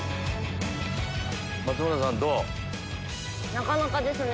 なかなかですね。